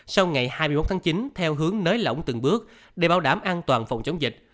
sau ngày hai mươi một tháng chín theo hướng nới lỏng từng bước để bảo đảm an toàn phòng chống dịch